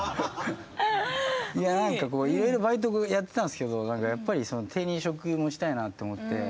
何かいろいろバイトやってたんですけどやっぱり手に職持ちたいなって思って。